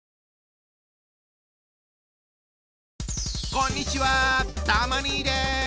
こんにちはたま兄です。